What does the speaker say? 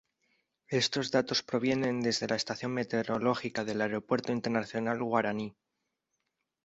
Estos datos provienen desde la estación meteorológica del Aeropuerto Internacional Guaraní.